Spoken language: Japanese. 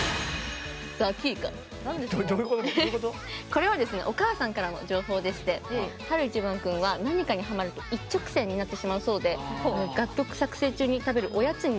これはですねお母さんからの情報でして晴いちばん君は何かにハマると一直線になってしまうそうで楽曲作成中に食べるおやつにもドハマりしてしまって